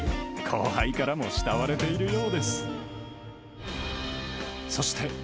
後輩からも慕われているようです。